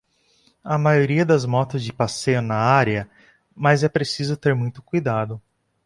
A maioria das motos de passeio na área, mas é preciso ter muito cuidado.